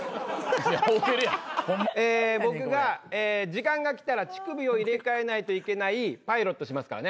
僕が時間が来たら乳首を入れ替えないといけないパイロットしますからね。